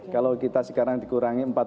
kalau kita sekarang dikurangi